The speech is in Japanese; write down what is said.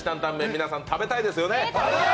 皆さん食べたいですよね。